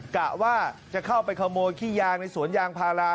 กะว่าจะเข้าไปขโมยขี้ยางในสวนยางพารา